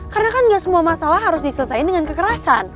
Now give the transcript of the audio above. karena kan ga semua masalah harus diselesain dengan kekerasan